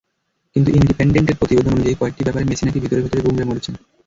কিন্তু ইন্ডিপেনডেন্টের প্রতিবেদন অনুযায়ী, কয়েকটি ব্যাপারে মেসি নাকি ভেতরে-ভেতরে গুমরে মরছেন।